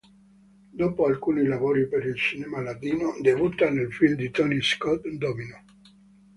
Dopo alcuni lavori per il cinema latino, debutta nel film di Tony Scott, "Domino".